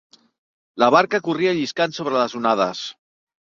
La barca corria lliscant sobre les onades.